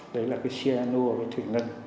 đấy là cái xia nua với thủy ngân